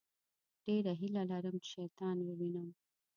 ډېره هیله لرم چې شیطان ووينم.